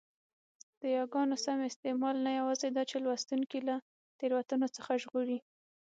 د یاګانو سم استعمال نه یوازي داچي لوستوونکی له تېروتنو څخه ژغوري؛